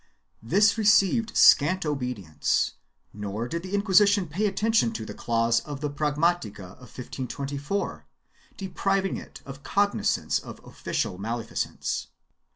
* This received scant obedience, nor did the Inquisition pay atten tion to the clause in the pragmatica of 1524 depriving it of cog nizance of official malfeasance.